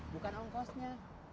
bukan awan kosnya